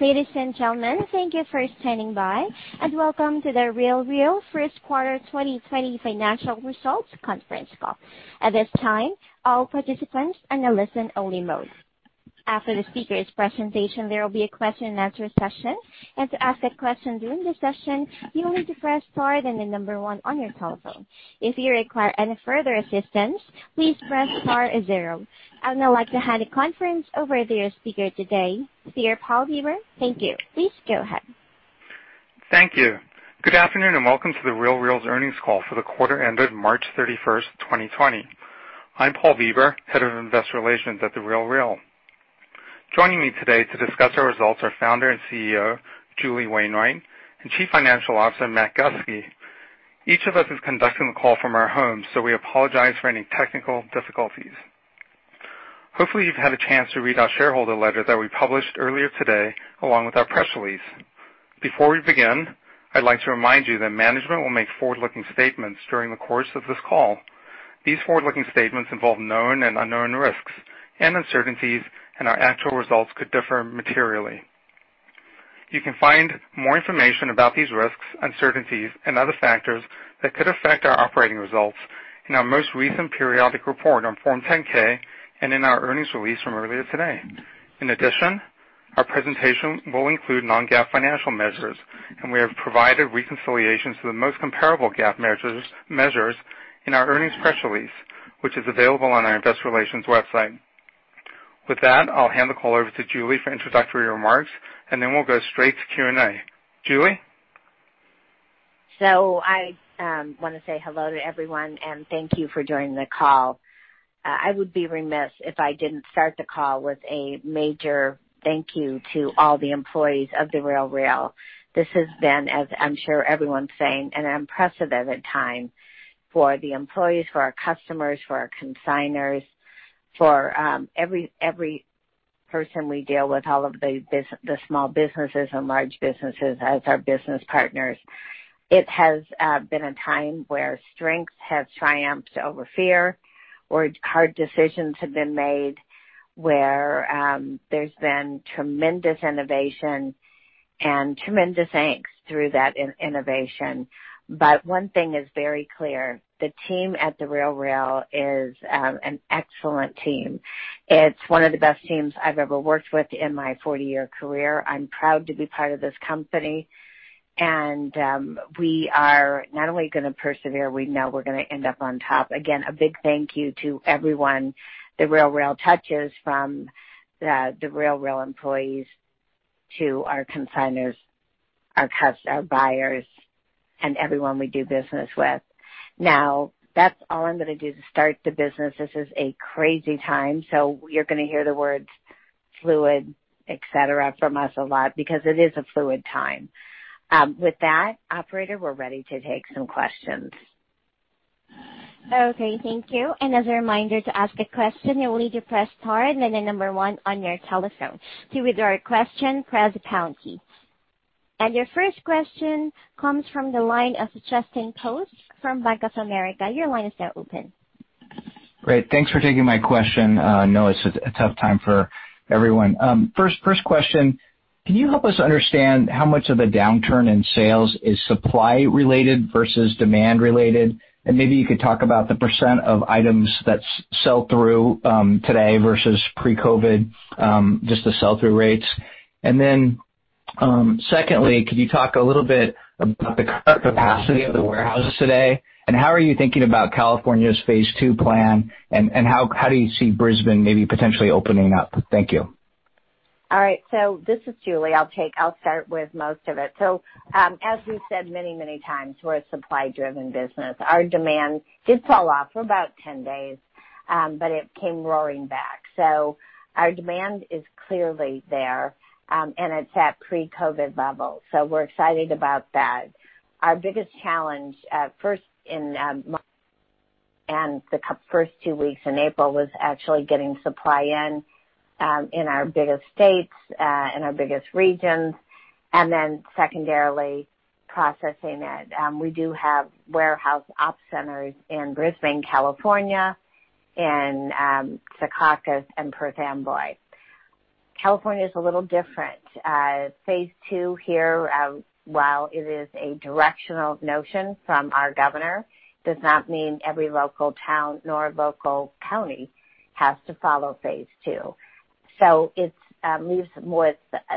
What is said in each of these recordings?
Ladies and gentlemen, thank you for standing by, and welcome to The RealReal first quarter 2020 financial results conference call. At this time, all participants are in listen only mode. After the speaker's presentation, there will be a question and answer session. To ask a question during the session, you'll need to press star, then the number one on your telephone. If you require any further assistance, please press star zero. I would now like to hand the conference over to your speaker today, Mr. Paul Bieber. Thank you. Please go ahead. Thank you. Good afternoon, welcome to The RealReal's earnings call for the quarter ended March 31st, 2020. I'm Paul Bieber, head of investor relations at The RealReal. Joining me today to discuss our results are Founder and CEO, Julie Wainwright, and Chief Financial Officer, Matt Gustke. Each of us is conducting the call from our homes, we apologize for any technical difficulties. Hopefully, you've had a chance to read our shareholder letter that we published earlier today, along with our press release. Before we begin, I'd like to remind you that management will make forward-looking statements during the course of this call. These forward-looking statements involve known and unknown risks and uncertainties, our actual results could differ materially. You can find more information about these risks, uncertainties, and other factors that could affect our operating results in our most recent periodic report on Form 10-K and in our earnings release from earlier today. Our presentation will include non-GAAP financial measures, and we have provided reconciliations to the most comparable GAAP measures in our earnings press release, which is available on our investor relations website. With that, I'll hand the call over to Julie for introductory remarks, and then we'll go straight to Q&A. Julie? I want to say hello to everyone, and thank you for joining the call. I would be remiss if I didn't start the call with a major thank you to all the employees of The RealReal. This has been, as I'm sure everyone's saying, an unprecedented time for the employees, for our customers, for our consignors, for every person we deal with, all of the small businesses and large businesses as our business partners. It has been a time where strength has triumphed over fear, where hard decisions have been made, where there's been tremendous innovation and tremendous angst through that innovation. One thing is very clear. The team at The RealReal is an excellent team. It's one of the best teams I've ever worked with in my 40-year career. I'm proud to be part of this company. We are not only going to persevere, we know we're going to end up on top. Again, a big thank you to everyone The RealReal touches, from The RealReal employees to our consignors, our buyers, and everyone we do business with. That's all I'm going to do to start the business. This is a crazy time, so you're going to hear the words fluid, et cetera, from us a lot because it is a fluid time. With that, operator, we're ready to take some questions. Okay. Thank you. As a reminder, to ask a question, you will need to press star and then the number one on your telephone. To withdraw your question, press the pound key. Your first question comes from the line of Justin Post from Bank of America. Your line is now open. Great. Thanks for taking my question. I know it's a tough time for everyone. First question, can you help us understand how much of the downturn in sales is supply related versus demand related? Maybe you could talk about the percent of items that sell through today versus pre-COVID, just the sell-through rates. Secondly, could you talk a little bit about the current capacity of the warehouses today, and how are you thinking about California's phase II plan, and how do you see Brisbane maybe potentially opening up? Thank you. All right. This is Julie. I'll start with most of it. As we've said many, many times, we're a supply-driven business. Our demand did fall off for about 10 days, but it came roaring back. Our demand is clearly there, and it's at pre-COVID levels. We're excited about that. Our biggest challenge, first in March, and the first two weeks in April, was actually getting supply in our biggest states, in our biggest regions, and then secondarily, processing it. We do have warehouse op centers in Brisbane, California, in Secaucus, and Perth Amboy. California is a little different. Phase II here, while it is a directional notion from our governor, does not mean every local town nor local county has to follow phase II. It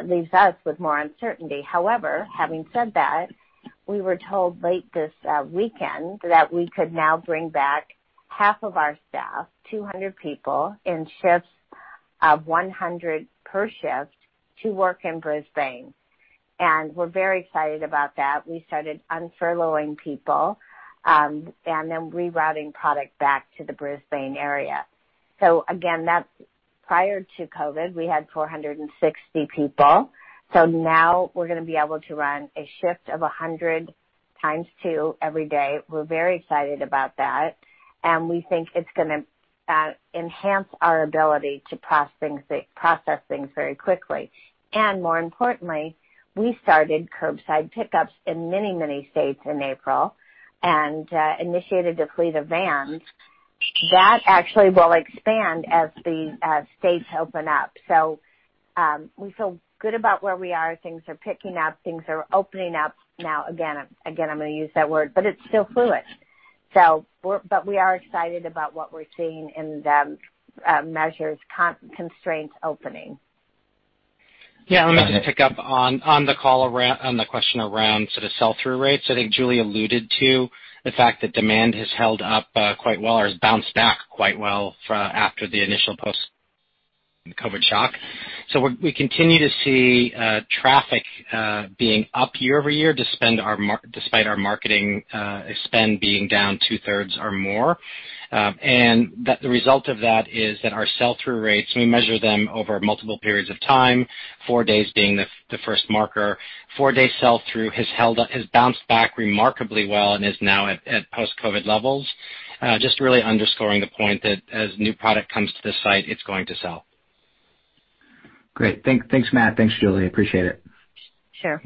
leaves us with more uncertainty. However, having said that, we were told late this weekend that we could now bring back half of our staff, 200 people, in shifts of 100 per shift to work in Brisbane. We're very excited about that. We started unfurloughing people, rerouting product back to the Brisbane area. Again, prior to COVID, we had 460 people. Now we're going to be able to run a shift of 100 x 2 every day. We're very excited about that, we think it's going to enhance our ability to process things very quickly. More importantly, we started curbside pickups in many, many states in April and initiated a fleet of vans that actually will expand as states open up. We feel good about where we are. Things are picking up. Things are opening up now. Again, I'm going to use that word, it's still fluid. We are excited about what we're seeing in the measures constraints opening. Yeah. Let me just pick up on the question around sort of sell-through rates. I think Julie alluded to the fact that demand has held up quite well or has bounced back quite well after the initial post-COVID shock. We continue to see traffic being up year-over-year, despite our marketing spend being down two-thirds or more. The result of that is that our sell-through rates, we measure them over multiple periods of time, four days being the first marker. Four-day sell-through has bounced back remarkably well and is now at post-COVID levels. Just really underscoring the point that as new product comes to the site, it's going to sell. Great. Thanks, Matt. Thanks, Julie. Appreciate it. Sure.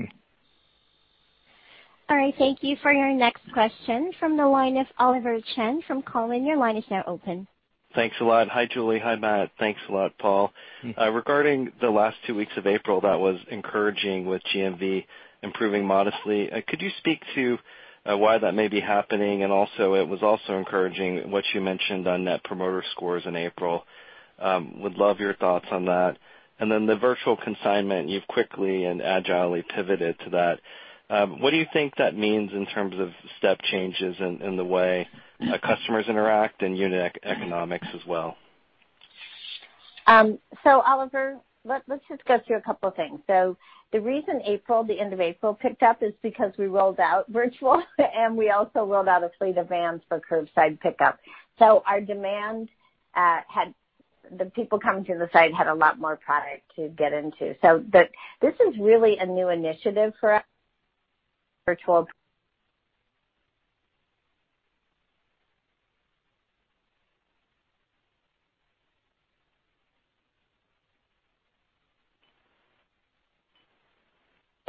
All right. Thank you. For your next question, from the line of Oliver Chen from Cowen, your line is now open. Thanks a lot. Hi, Julie. Hi, Matt. Thanks a lot, Paul. Regarding the last two weeks of April, that was encouraging with GMV improving modestly. Could you speak to why that may be happening? Also, it was also encouraging what you mentioned on net promoter scores in April. Would love your thoughts on that. Then the virtual consignment, you've quickly and agilely pivoted to that. What do you think that means in terms of step changes in the way customers interact and unit economics as well? Oliver, let's just go through a couple of things. The reason the end of April picked up is because we rolled out virtual, and we also rolled out a fleet of vans for curbside pickup. The people coming to the site had a lot more product to get into. This is really a new initiative for us, virtual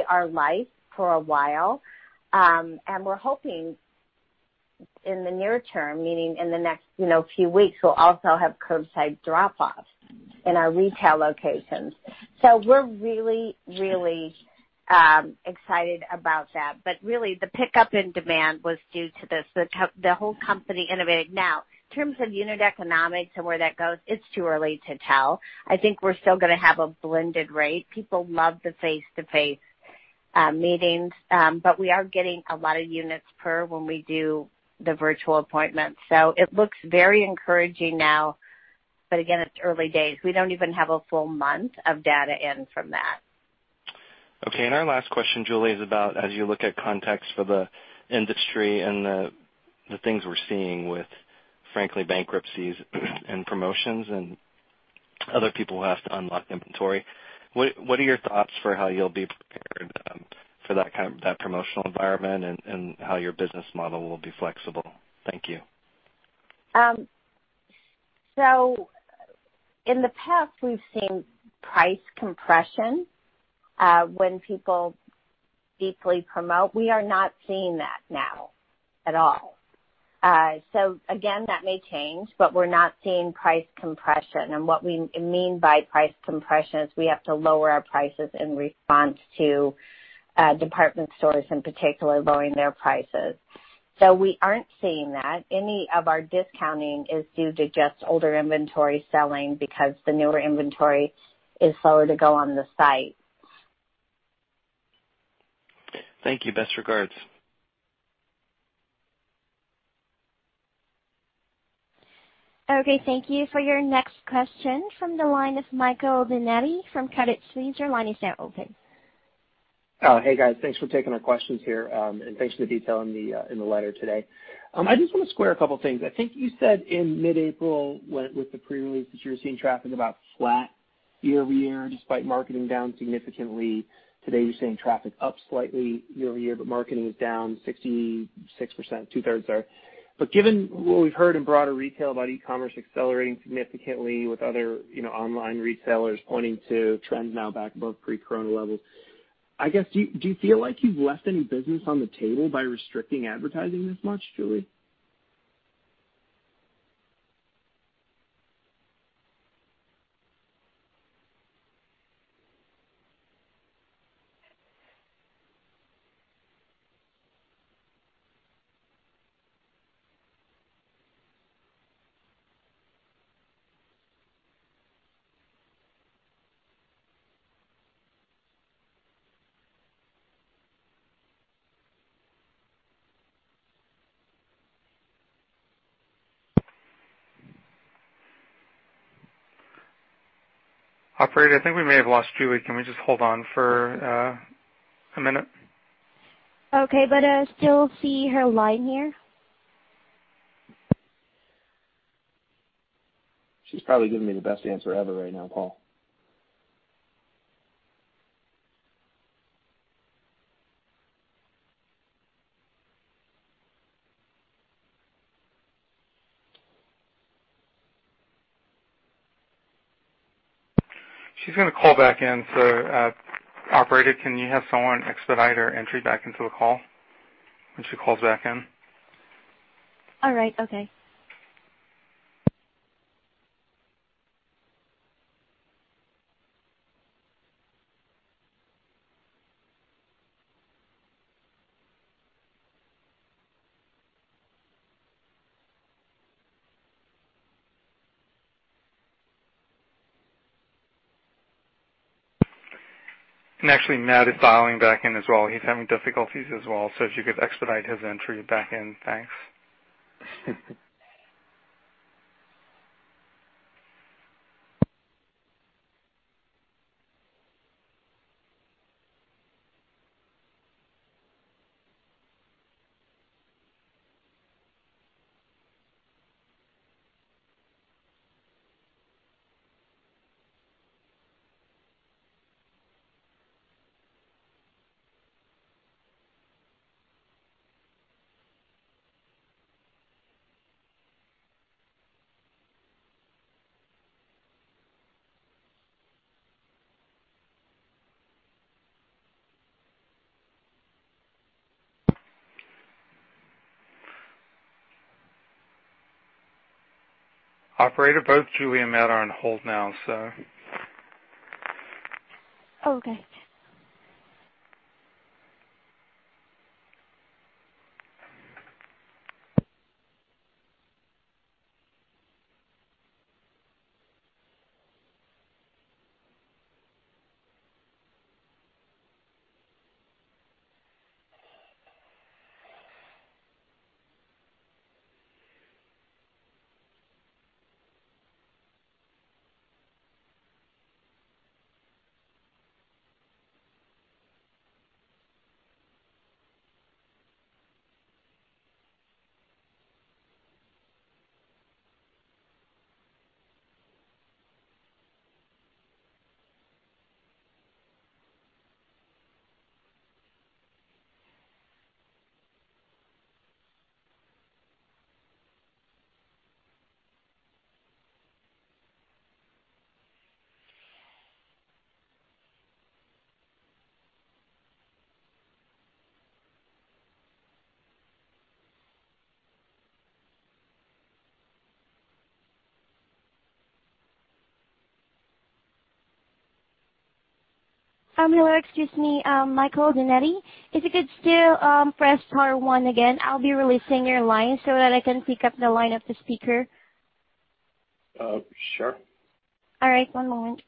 our life for a while. We're hoping in the near term, meaning in the next few weeks, we'll also have curbside drop-off in our retail locations. We're really excited about that. Really, the pickup in demand was due to this. The whole company innovating. Now, in terms of unit economics and where that goes, it's too early to tell. I think we're still going to have a blended rate. People love the face-to-face meetings, but we are getting a lot of units per when we do the virtual appointments. It looks very encouraging now, but again, it's early days. We don't even have a full month of data in from that. Okay. Our last question, Julie, is about as you look at context for the industry and the things we're seeing with, frankly, bankruptcies and promotions and other people who have to unlock inventory, what are your thoughts for how you'll be prepared for that promotional environment and how your business model will be flexible? Thank you. In the past, we've seen price compression when people deeply promote. We are not seeing that now at all. Again, that may change, but we're not seeing price compression, and what we mean by price compression is we have to lower our prices in response to department stores, in particular, lowering their prices. We aren't seeing that. Any of our discounting is due to just older inventory selling because the newer inventory is slower to go on the site. Thank you. Best regards. Okay. Thank you. For your next question, from the line of Michael Binetti from Credit Suisse, your line is now open. Hey, guys. Thanks for taking our questions here, and thanks for the detail in the letter today. I just want to square a couple things. I think you said in mid-April with the pre-release that you were seeing traffic about flat year-over-year despite marketing down significantly. Today, you're saying traffic up slightly year-over-year, marketing is down 66%, two-thirds there. Given what we've heard in broader retail about e-commerce accelerating significantly with other online retailers pointing to trends now back above pre-COVID levels, I guess, do you feel like you've left any business on the table by restricting advertising this much, Julie? Operator, I think we may have lost Julie. Can we just hold on for a minute? Okay. I still see her line here. She's probably giving me the best answer ever right now, Paul. She's going to call back in, so operator, can you have someone expedite her entry back into the call when she calls back in? All right. Okay. Actually, Matt is dialing back in as well. He's having difficulties as well, if you could expedite his entry back in. Thanks. Operator, both Julie and Matt are on hold now. Okay. Hello. Excuse me. Michael Binetti, if you could still press star one again, I'll be releasing your line so that I can pick up the line of the speaker. Sure. All right. One moment.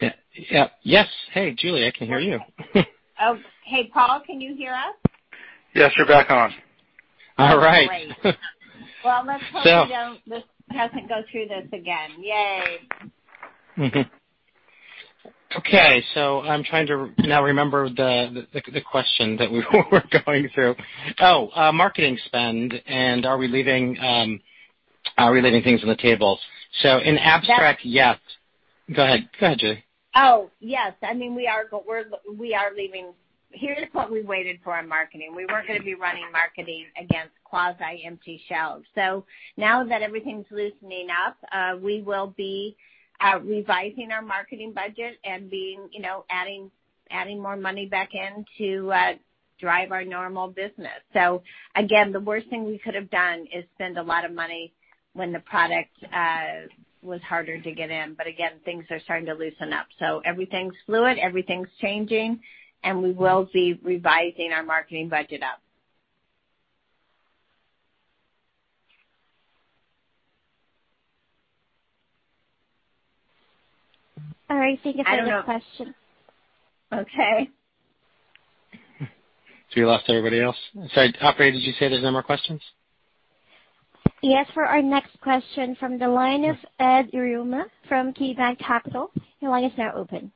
Matt? Yes. Hey, Julie, I can hear you. Oh, hey, Paul, can you hear us? Yes, you're back on. All right. Great. Well, let's hope. So- we don't have to go through this again. Yay. Okay, I'm trying to now remember the question that we were going through. Oh, marketing spend and are we leaving things on the table. Matt- Yes. Go ahead, Julie. Oh, yes. Here's what we waited for in marketing. We weren't going to be running marketing against quasi empty shelves. Now that everything's loosening up, we will be revising our marketing budget and adding more money back in to drive our normal business. Again, the worst thing we could have done is spend a lot of money when the product was harder to get in. Again, things are starting to loosen up. Everything's fluid, everything's changing, and we will be revising our marketing budget up. All right. I think you've had enough questions. Okay. We lost everybody else? Sorry, operator, did you say there's no more questions? Yes. For our next question from the line of Ed Yruma from KeyBanc Capital, your line is now open.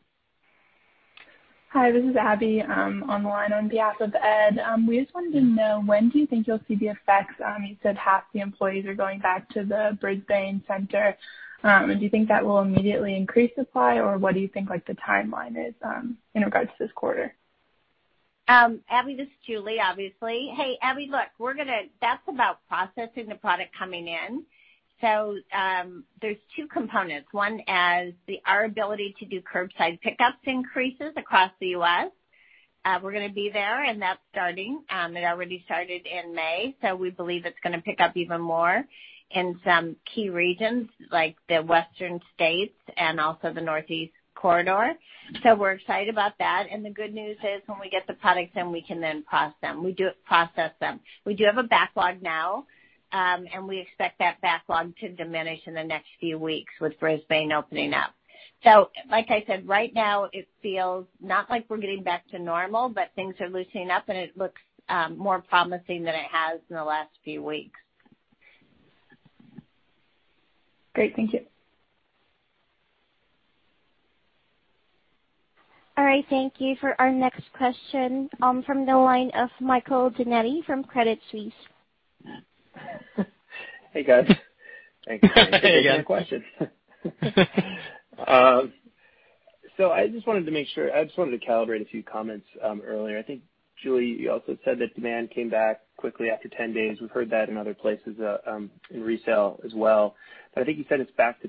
Hi, this is Abby. I'm on the line on behalf of Ed. We just wanted to know when do you think you'll see the effects. You said half the employees are going back to the Brisbane center. Do you think that will immediately increase supply, or what do you think the timeline is in regards to this quarter? Abby, this is Julie, obviously. Hey, Abby, look, that's about processing the product coming in. There's two components. One, as our ability to do curbside pickups increases across the U.S., we're going to be there, and that's starting. It already started in May, we believe it's going to pick up even more in some key regions like the western states and also the Northeast Corridor. We're excited about that. The good news is when we get the products in, we can then process them. We do have a backlog now, and we expect that backlog to diminish in the next few weeks with Brisbane opening up. Like I said, right now it feels not like we're getting back to normal, but things are loosening up, and it looks more promising than it has in the last few weeks. Great. Thank you. All right. Thank you. For our next question, from the line of Michael Binetti from Credit Suisse. Hey, guys. Hey. Thanks for taking the question. I just wanted to calibrate a few comments earlier. I think, Julie, you also said that demand came back quickly after 10 days. We've heard that in other places, in resale as well. I think you said it's back to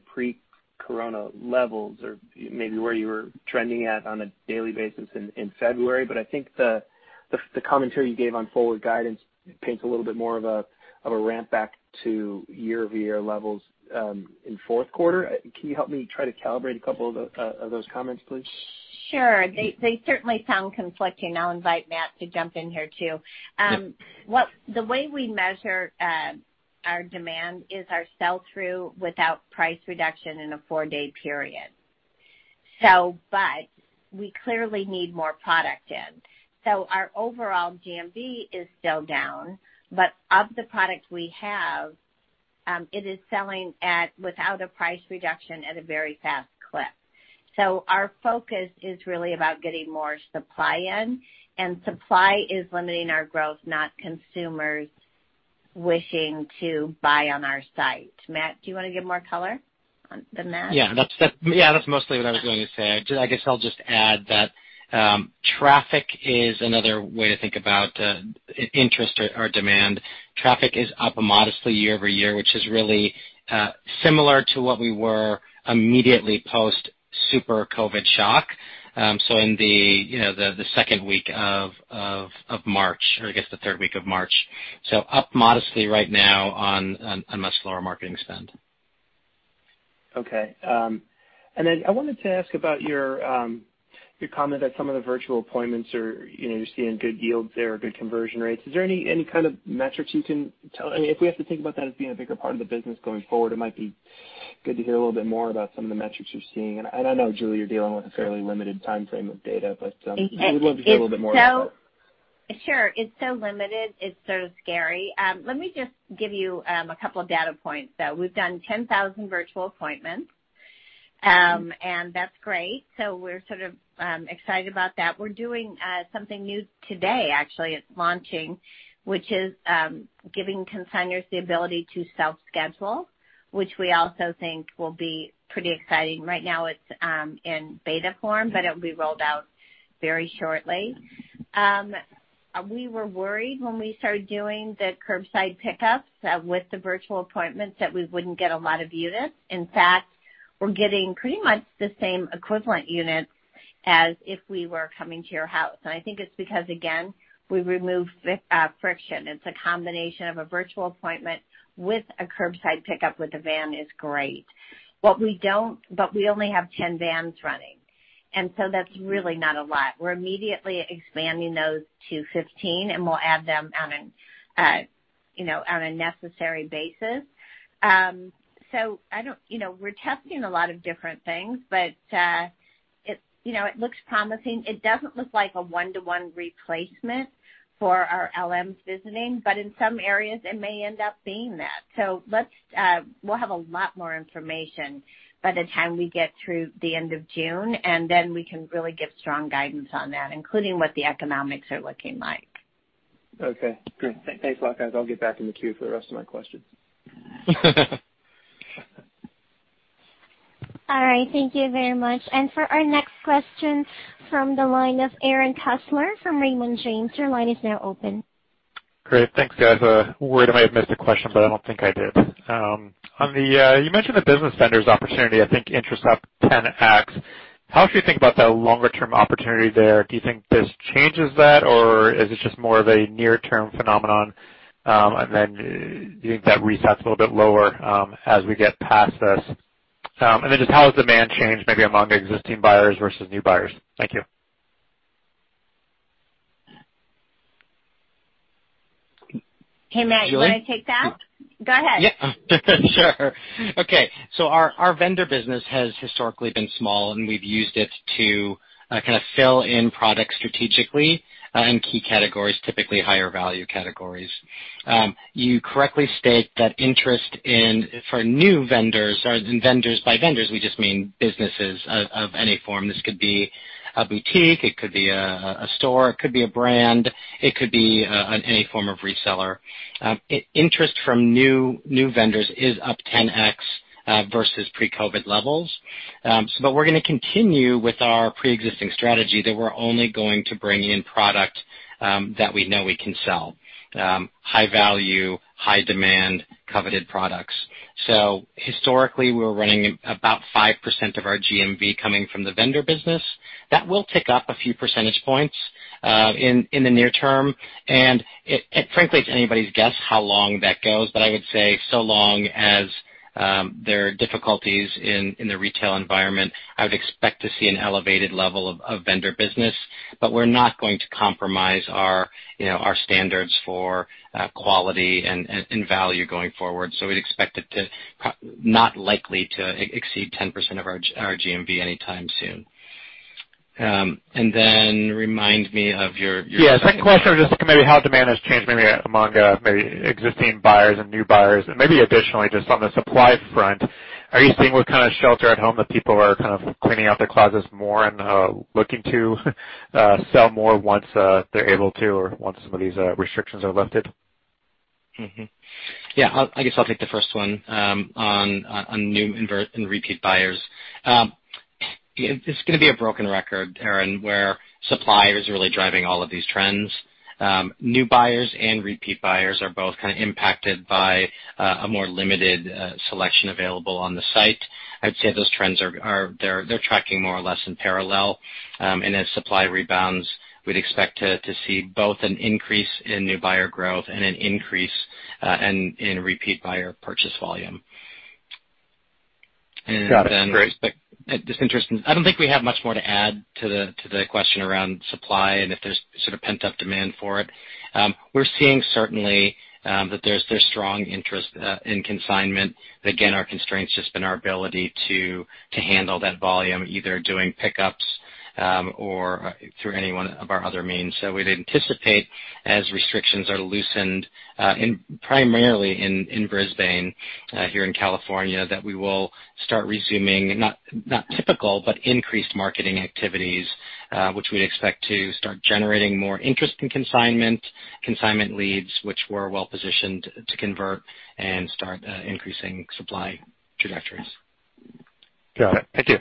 pre-COVID levels or maybe where you were trending at on a daily basis in February. I think the commentary you gave on forward guidance paints a little bit more of a ramp back to year-over-year levels, in fourth quarter. Can you help me try to calibrate a couple of those comments, please? Sure. They certainly sound conflicting. I'll invite Matt to jump in here too. Yep. The way we measure our demand is our sell-through without price reduction in a four-day period. We clearly need more product in. Our overall GMV is still down, but of the product we have, it is selling without a price reduction at a very fast clip. Our focus is really about getting more supply in, and supply is limiting our growth, not consumers wishing to buy on our site. Matt, do you want to give more color on the math? Yeah, that's mostly what I was going to say. I guess I'll just add that traffic is another way to think about interest or demand. Traffic is up modestly year-over-year, which is really similar to what we were immediately post-super COVID shock in the second week of March, or I guess the third week of March, up modestly right now on a much lower marketing spend. Okay. I wanted to ask about your comment that some of the virtual appointments you're seeing good yields there or good conversion rates. Is there any kind of metrics you can tell? If we have to think about that as being a bigger part of the business going forward, it might be good to hear a little bit more about some of the metrics you're seeing. I know, Julie, you're dealing with a fairly limited timeframe of data. It's so- we'd love to hear a little bit more about that. Sure. It's so limited, it's sort of scary. Let me just give you a couple of data points, though. We've done 10,000 virtual appointments. That's great. We're sort of excited about that. We're doing something new today, actually. It's launching, which is giving consignors the ability to self-schedule, which we also think will be pretty exciting. Right now it's in beta form. It will be rolled out very shortly. We were worried when we started doing the curbside pickups with the virtual appointments that we wouldn't get a lot of units. In fact, we're getting pretty much the same equivalent units as if we were coming to your house. I think it's because, again, we've removed friction. It's a combination of a virtual appointment with a curbside pickup with a van is great. We only have 10 vans running, and so that's really not a lot. We're immediately expanding those to 15, and we'll add them on a necessary basis. We're testing a lot of different things, but it looks promising. It doesn't look like a one-to-one replacement for our LMs visiting, but in some areas, it may end up being that. We'll have a lot more information by the time we get through the end of June, and then we can really give strong guidance on that, including what the economics are looking like. Okay, great. Thanks a lot, guys. I'll get back in the queue for the rest of my questions. All right. Thank you very much. For our next question, from the line of Aaron Kessler from Raymond James, your line is now open. Great. Thanks, guys. Worried I might have missed a question, but I don't think I did. You mentioned the business vendors opportunity, I think, interest up 10x. How should we think about the longer-term opportunity there? Do you think this changes that, or is it just more of a near-term phenomenon? Then do you think that resets a little bit lower as we get past this? Then just how has demand changed maybe among existing buyers versus new buyers? Thank you. Hey, Matt, you want to take that? Go ahead. Yeah. Sure. Okay. Our vendor business has historically been small, and we've used it to kind of fill in product strategically in key categories, typically higher value categories. You correctly state that interest for new vendors, or by vendors, we just mean businesses of any form. This could be a boutique, it could be a store, it could be a brand, it could be any form of reseller. Interest from new vendors is up 10x versus pre-COVID levels. We're going to continue with our preexisting strategy that we're only going to bring in product that we know we can sell. High value, high demand, coveted products. Historically, we're running about 5% of our GMV coming from the vendor business. That will tick up a few percentage points, in the near term. Frankly, it's anybody's guess how long that goes. I would say so long as there are difficulties in the retail environment, I would expect to see an elevated level of vendor business. We're not going to compromise our standards for quality and value going forward. We'd expect it to not likely to exceed 10% of our GMV anytime soon. Then remind me of your question. Yeah. Second question was just maybe how demand has changed maybe among maybe existing buyers and new buyers, and maybe additionally just on the supply front. Are you seeing with kind of shelter at home, that people are kind of cleaning out their closets more and looking to sell more once they're able to, or once some of these restrictions are lifted? Yeah, I guess I'll take the first one, on new and repeat buyers. It's going to be a broken record, Aaron, where supply is really driving all of these trends. New buyers and repeat buyers are both kind of impacted by a more limited selection available on the site. I'd say those trends, they're tracking more or less in parallel. As supply rebounds, we'd expect to see both an increase in new buyer growth and an increase in repeat buyer purchase volume. Got it. Great. I don't think we have much more to add to the question around supply and if there's sort of pent-up demand for it. We're seeing certainly, that there's strong interest in consignment. Again, our constraint's just been our ability to handle that volume, either doing pickups, or through any one of our other means. We'd anticipate as restrictions are loosened, primarily in Brisbane, here in California, that we will start resuming, not typical, but increased marketing activities. Which we'd expect to start generating more interest in consignment leads, which we're well-positioned to convert and start increasing supply trajectories. Got it. Thank you.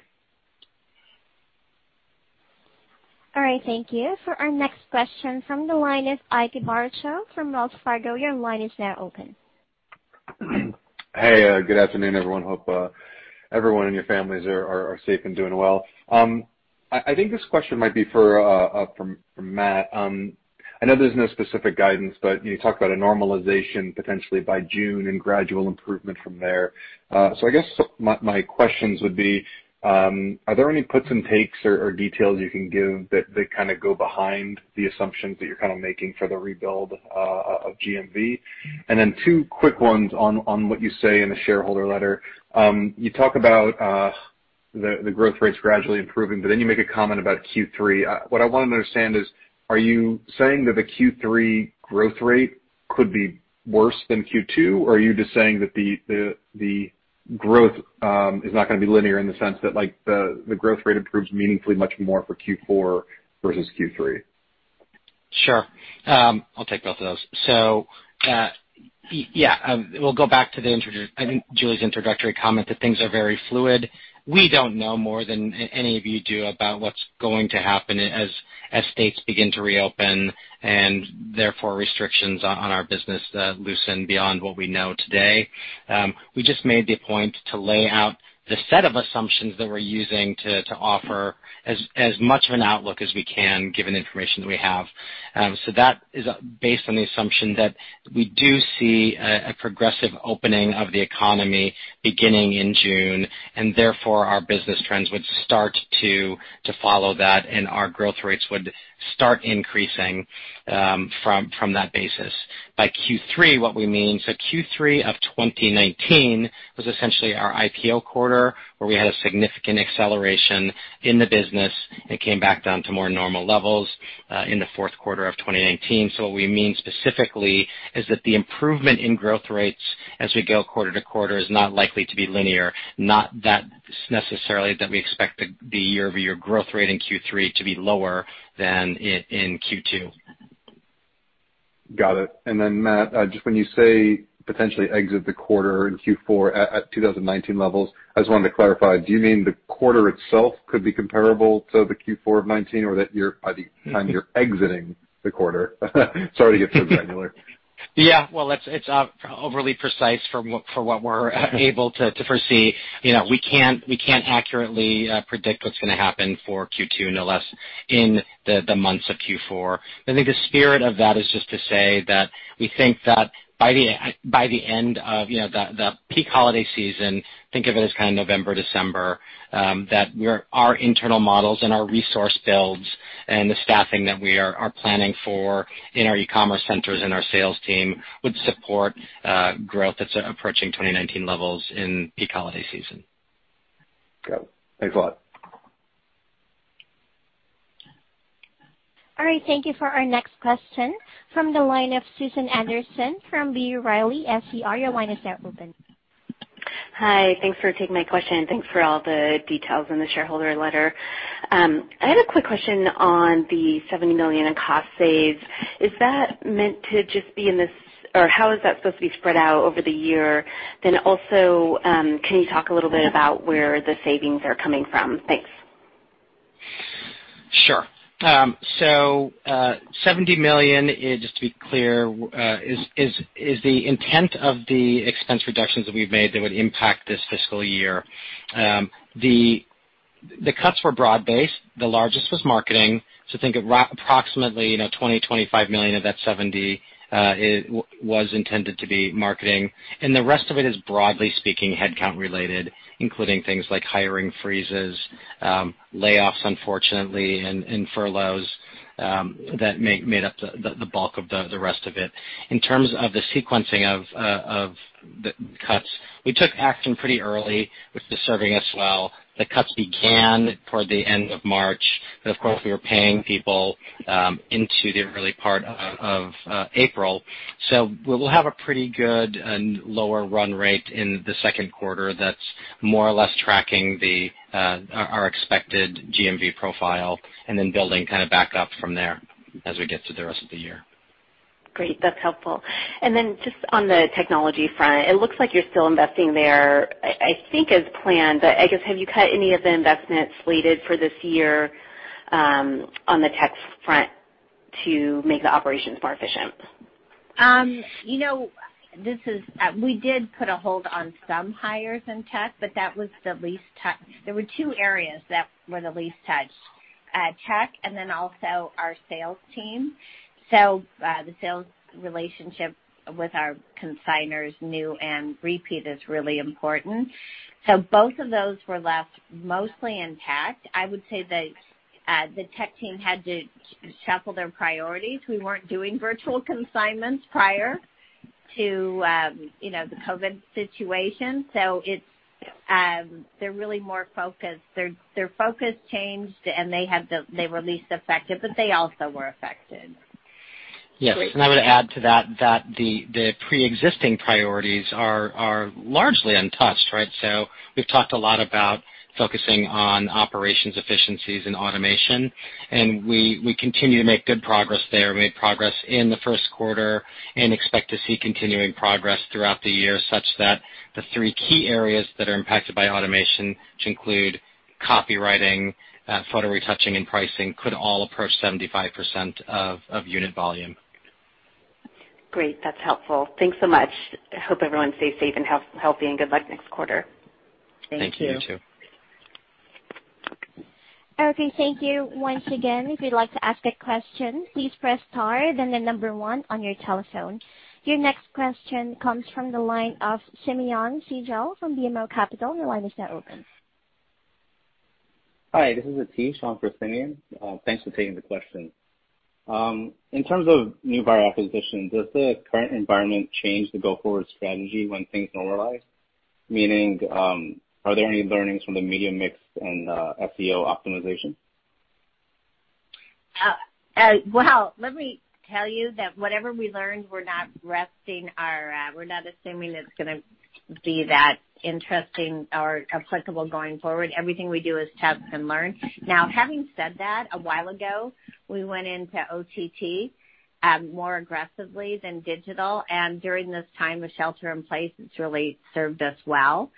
All right, thank you. For our next question from the line of Ike Boruchow from Wells Fargo, your line is now open. Hey, good afternoon, everyone. Hope everyone and your families are safe and doing well. I think this question might be for Matt. I know there's no specific guidance, but you talk about a normalization potentially by June and gradual improvement from there. I guess my questions would be, are there any puts and takes or details you can give that kind of go behind the assumptions that you're kind of making for the rebuild of GMV? Two quick ones on what you say in the shareholder letter. You talk about the growth rates gradually improving, but then you make a comment about Q3. What I want to understand is, are you saying that the Q3 growth rate could be worse than Q2? Are you just saying that the growth is not going to be linear in the sense that, the growth rate improves meaningfully much more for Q4 versus Q3? Sure. I'll take both of those. Yeah. We'll go back to, I think, Julie's introductory comment that things are very fluid. We don't know more than any of you do about what's going to happen as states begin to reopen, therefore restrictions on our business loosen beyond what we know today. We just made the point to lay out the set of assumptions that we're using to offer as much of an outlook as we can, given the information that we have. That is based on the assumption that we do see a progressive opening of the economy beginning in June, therefore our business trends would start to follow that, our growth rates would start increasing from that basis. By Q3, what we mean, Q3 of 2019 was essentially our IPO quarter, where we had a significant acceleration in the business. It came back down to more normal levels, in the fourth quarter of 2019. What we mean specifically is that the improvement in growth rates as we go quarter to quarter is not likely to be linear. Not that necessarily that we expect the year-over-year growth rate in Q3 to be lower than in Q2. Got it. Matt, just when you say potentially exit the quarter in Q4 at 2019 levels, I just wanted to clarify, do you mean the quarter itself could be comparable to the Q4 of 2019, or that by the time you're exiting the quarter? Sorry to get so granular. Yeah. Well, it's overly precise for what we're able to foresee. We can't accurately predict what's going to happen for Q2, no less in the months of Q4. I think the spirit of that is just to say that we think that by the end of the peak holiday season, think of it as kind of November, December, that our internal models and our resource builds and the staffing that we are planning for in our e-commerce centers and our sales team would support growth that's approaching 2019 levels in peak holiday season. Okay. Thanks a lot. All right. Thank you for our next question from the line of Susan Anderson from B. Riley FBR. Your line is now open. Hi. Thanks for taking my question. Thanks for all the details in the shareholder letter. I had a quick question on the $70 million in cost saves. Is that meant to just be in this Or how is that supposed to be spread out over the year? Also, can you talk a little bit about where the savings are coming from? Thanks. Sure. $70 million, just to be clear, is the intent of the expense reductions that we've made that would impact this fiscal year. The cuts were broad-based. The largest was marketing. Think of approximately $20 million, $25 million of that $70 million was intended to be marketing, and the rest of it is, broadly speaking, headcount related, including things like hiring freezes, layoffs, unfortunately, and furloughs, that made up the bulk of the rest of it. In terms of the sequencing of the cuts, we took action pretty early, which is serving us well. The cuts began toward the end of March, but of course, we were paying people into the early part of April. We'll have a pretty good lower run rate in the second quarter that's more or less tracking our expected GMV profile, and then building kind of back up from there as we get to the rest of the year. Great. That's helpful. Just on the technology front, it looks like you're still investing there, I think as planned. I guess, have you cut any of the investments slated for this year, on the tech front to make the operations more efficient? We did put a hold on some hires in tech, but that was the least touched. There were two areas that were the least touched. Tech, and then also our sales team. The sales relationship with our consignors, new and repeat, is really important. Both of those were left mostly intact. I would say that the tech team had to shuffle their priorities. We weren't doing virtual consignments prior to the COVID situation. They're really more focused. Their focus changed, and they were least affected, but they also were affected. Great. Yes. I would add to that the preexisting priorities are largely untouched, right? We've talked a lot about focusing on operations efficiencies and automation, and we continue to make good progress there. We made progress in the first quarter and expect to see continuing progress throughout the year, such that the three key areas that are impacted by automation, which include copywriting, photo retouching, and pricing, could all approach 75% of unit volume. Great. That's helpful. Thanks so much. Hope everyone stays safe and healthy, and good luck next quarter. Thank you. Thank you. You too. Okay, thank you once again. If you'd like to ask a question, please press star, then the number one on your telephone. Your next question comes from the line of Simeon Siegel from BMO Capital. Your line is now open. Hi, this is Atif. I'm for Simeon. Thanks for taking the question. In terms of new buyer acquisition, does the current environment change the go-forward strategy when things normalize? Meaning, are there any learnings from the media mix and SEO optimization? Well, let me tell you that whatever we learned, we're not assuming it's going to be that interesting or applicable going forward. Everything we do is test and learn. Now, having said that, a while ago, we went into OTT more aggressively than digital, and during this time of shelter in place, it's really served us well.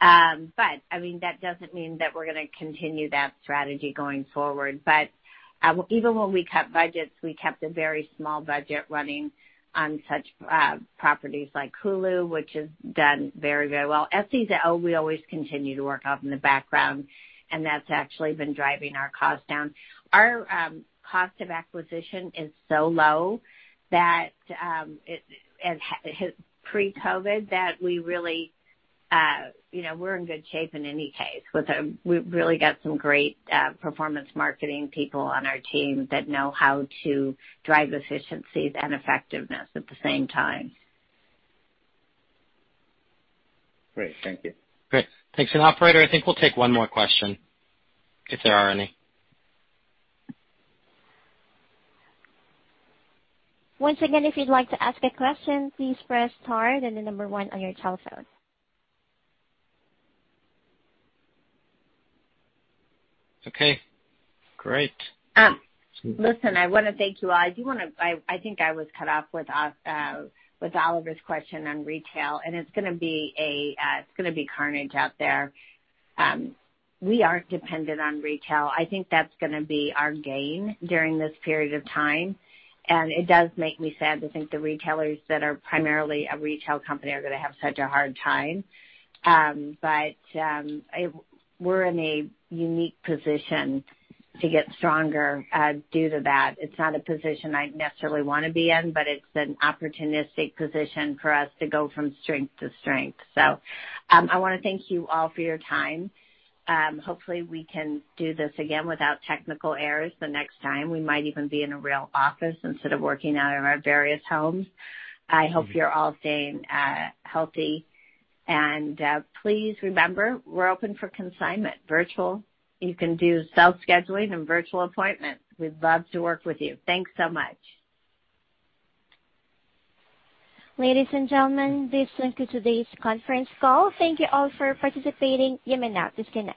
That doesn't mean that we're going to continue that strategy going forward. Even when we cut budgets, we kept a very small budget running on such properties like Hulu, which has done very, very well. SEO, we always continue to work on in the background, and that's actually been driving our costs down. Our cost of acquisition is so low, pre-COVID, that we're in good shape in any case. We've really got some great performance marketing people on our team that know how to drive efficiencies and effectiveness at the same time. Great. Thank you. Great. Thanks. Operator, I think we'll take one more question, if there are any. Once again, if you'd like to ask a question, please press star, then the number one on your telephone. Okay, great. Listen, I want to thank you all. I think I was cut off with Oliver's question on retail. It's going to be carnage out there. We aren't dependent on retail. I think that's going to be our gain during this period of time. It does make me sad to think the retailers that are primarily a retail company are going to have such a hard time. We're in a unique position to get stronger due to that. It's not a position I necessarily want to be in, but it's an opportunistic position for us to go from strength to strength. I want to thank you all for your time. Hopefully, we can do this again without technical errors the next time. We might even be in a real office instead of working out of our various homes. I hope you're all staying healthy. Please remember, we're open for consignment, virtual. You can do self-scheduling and virtual appointments. We'd love to work with you. Thanks so much. Ladies and gentlemen, this concludes today's conference call. Thank you all for participating. You may now disconnect.